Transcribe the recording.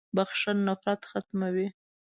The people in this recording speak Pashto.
• بخښل نفرت ختموي.